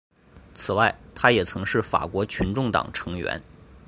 此外他也曾是法国群众党成员。